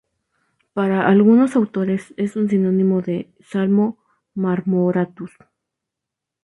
Para algunos autores es un sinónimo de "Salmo marmoratus".